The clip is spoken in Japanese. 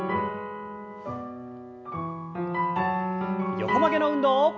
横曲げの運動。